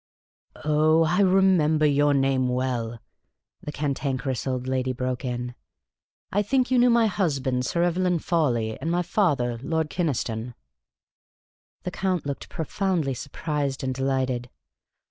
" Oh, I remember your name well," the Cantankerous 20 Miss Cayley's Adventures Old I^ady broke in. " I think you knew my husband, Sir Evelyn Fawley, and my father, Lord Kynaston." The Count looked profoundly surprised and delighted.